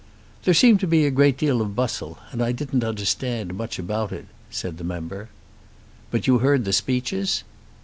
"There seemed to be a great deal of bustle, and I didn't understand much about it," said the member. "But you heard the speeches?"